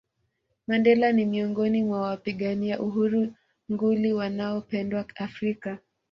Mandela ni miongoni mwa wapigania uhuru nguli wanaopendwa Afrika